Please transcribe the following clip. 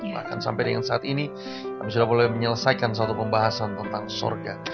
bahkan sampai dengan saat ini kami sudah boleh menyelesaikan satu pembahasan tentang sorga